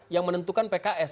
yang menentukan pks